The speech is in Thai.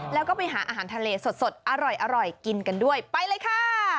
แล้วก็ไปหาอาหารทะเลสดอร่อยกินกันด้วยไปเลยค่ะ